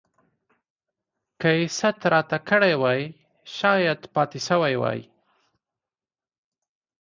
که يې ست راته کړی وای شايد پاته سوی وای.